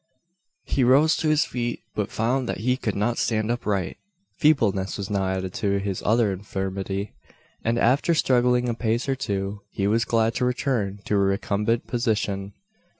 He rose to his feet, but found that he could not stand upright. Feebleness was now added to his other infirmity; and after struggling a pace or two, he was glad to return to a recumbent position.